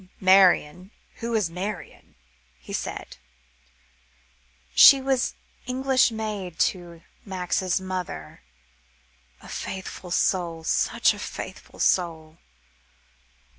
"Marion who is Marion?" he said. "She was English maid to Max's mother a faithful soul, such a faithful soul.